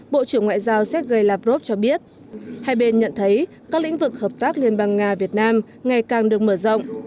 bộ trưởng ngoại giao sergei lavrov cho biết hai bên nhận thấy các lĩnh vực hợp tác liên bang nga việt nam ngày càng được mở rộng